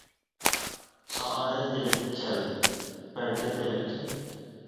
سائادەت ئېلىپ كەل، بەرىكەت ئېلىپ كەل.